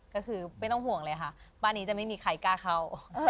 ก็คือไม่ต้องห่วงเลยค่ะบ้านนี้จะไม่มีใครกล้าเข้า